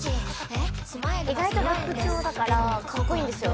意外とラップ調だからカッコイイんですよ。